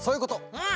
うん。